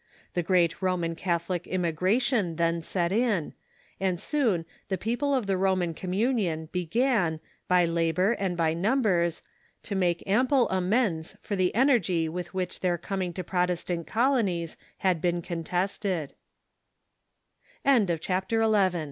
The great Roman Catholic immigration then set in, and soon the people of the Roman communion began, by labor and by num bers, to make ample amends for the energy with which their coming to Protestant colonie